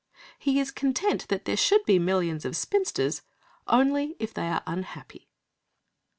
He is content there should be millions of spinsters, if only they are unhappy.